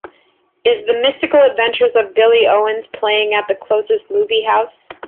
Is The Mystical Adventures of Billy Owens playing at the closest movie house